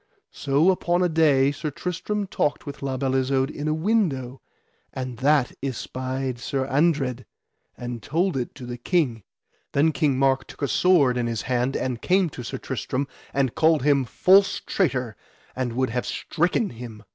So upon a day Sir Tristram talked with La Beale Isoud in a window, and that espied Sir Andred, and told it to the King. Then King Mark took a sword in his hand and came to Sir Tristram, and called him false traitor, and would have stricken him.